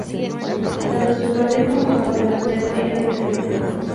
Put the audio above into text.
Tanto su madre como su abuela materna eran enfermeras.